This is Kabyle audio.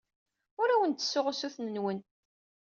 Ur awen-d-ttessuɣ usuten-nwen.